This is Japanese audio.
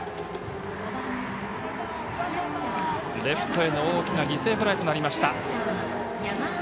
レフトへの大きな犠牲フライとなりました。